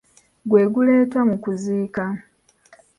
Gwe guleetwa mu kuziika.